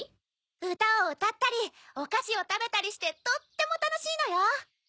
うたをうたったりおかしをたべたりしてとってもたのしいのよ。